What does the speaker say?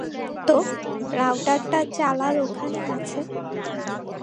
তো, রাউটারটা চালার ওখানে আছে।